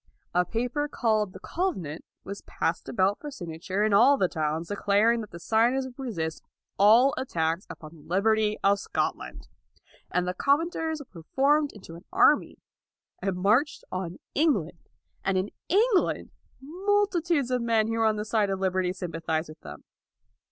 A paper called the Covenant was passed about for signa ture in all the towns, declaring that the signers would resist all attacks upon the liberty of Scotland. And the Covenanters were formed into an army, and marched on England. And in England multitudes of men who were on the side of liberty sympathized with them.